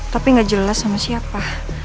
tapi gak jelas sama siapa